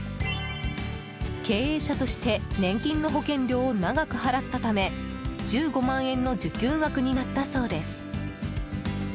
経営者として年金の保険料を長く払ったため１５万円の受給額になったそうです。